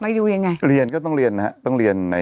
อยู่ยังไงเรียนก็ต้องเรียนนะฮะต้องเรียนใน